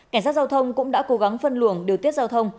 cảnh sát giao thông cũng đã cố gắng phân luồng điều tiết giao thông